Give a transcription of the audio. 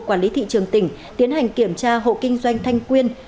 quản lý thị trường tỉnh tiến hành kiểm tra hộ kinh doanh thanh quyên